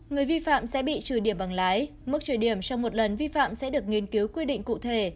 người vi phạm sẽ bị trừ điểm bằng lái mức trừ điểm trong một lần vi phạm sẽ được nghiên cứu quy định cụ thể